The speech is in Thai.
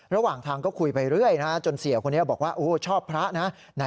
ระหว่างทางก็คุยไปเรื่อยจนเสียคนนี้บอกว่าชอบพระนะ